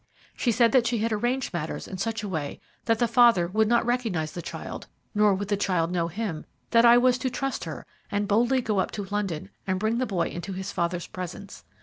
She said that she had arranged matters in such a way that the father would not recognize the child, nor would the child know him; that I was to trust to her, and boldly go up to London, and bring the boy into his father's presence.